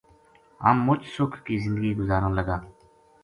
ہم مُچ سُکھ کی زندگی گزاراں لگا